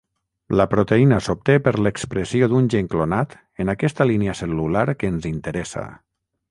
La proteïna s'obté per l'expressió d'un gen clonat en aquesta línia cel·lular que ens interessa.